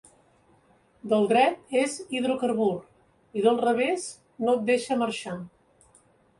Del dret és hidrocarbur i del revés no et deixa marxar.